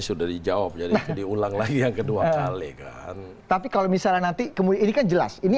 sudah dijawab jadi diulang lagi yang kedua kali kan tapi kalau misalnya nanti kemudian ini kan jelas ini